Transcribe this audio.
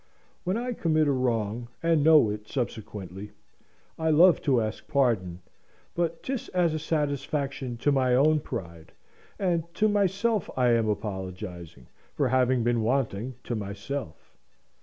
When I commit a wrong, and know it subsequently, I love to ask pardon; but 'tis as a satisfaction to my own pride, and to myself I am apologising for having been wanting to myself.